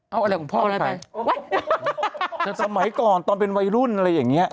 เอาอะไรของพ่อไปไหนไว้